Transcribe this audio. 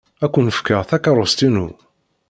Ad k-n-fkeɣ takeṛṛust-inu.